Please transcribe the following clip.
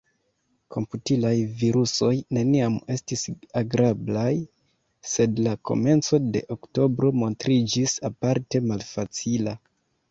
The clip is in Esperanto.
Komputilaj virusoj neniam estis agrablaj, sed la komenco de oktobro montriĝis aparte malfacila.